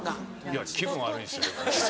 いや気分悪いですよ。